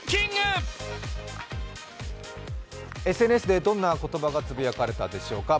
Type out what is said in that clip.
ＳＮＳでどんな言葉がつぶやかれたんでしょうか？